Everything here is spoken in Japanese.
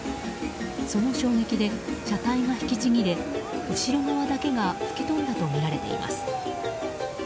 その衝撃で車体が引きちぎれ後ろ側だけが吹き飛んだとみられています。